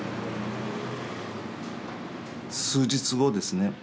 数日後ですね